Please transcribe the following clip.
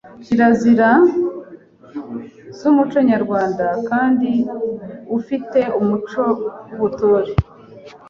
kirazira z’umuco Nyarwanda kandi ufi te umuco w’Ubutore.